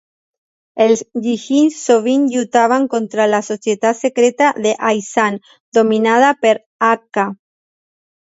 Els Ghee Hin sovint lluitaven contra la societat secreta de Hai San, dominada per Hakka.